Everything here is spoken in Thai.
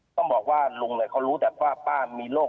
ต้องบอกว่าลุงเขารู้แต่ว่าป้ามีโรค